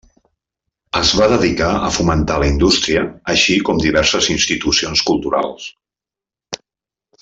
Es va dedicar a fomentar la indústria, així com diverses institucions culturals.